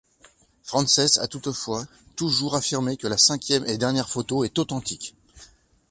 Frances a toutefois toujours affirmé que la cinquième et dernière photo est authentique.